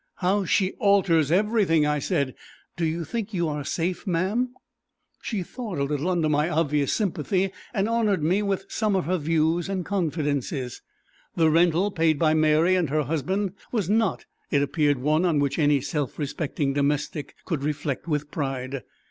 "How she alters everything," I said. "Do you think you are safe, ma'am?" She thawed a little under my obvious sympathy and honoured me with some of her views and confidences. The rental paid by Mary and her husband was not, it appeared, one on which any self respecting domestic could reflect with pride.